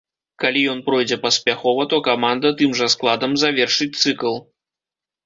Калі ён пройдзе паспяхова, то каманда тым жа складам завершыць цыкл.